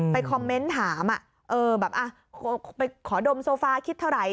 คอมเมนต์ถามแบบไปขอดมโซฟาคิดเท่าไหร่